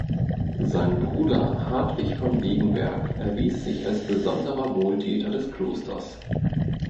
Sein Bruder Hartwig von Degenberg erwies sich als besonderer Wohltäter des Klosters.